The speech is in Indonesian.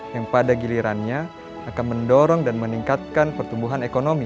yang pada gilirannya akan mendorong dan meningkatkan pertumbuhan ekonomi